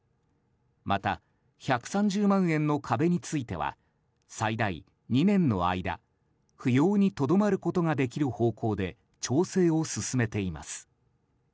また、１３０万円の壁については最大２年の間扶養にとどまることができる方向で、調整を進めています。